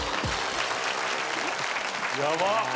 ヤバっ！